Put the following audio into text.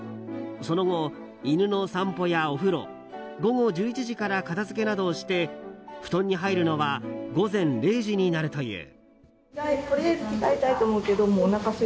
その後、犬の散歩やお風呂午後１１時から片付けなどをして布団に入るのは午前０時になるという。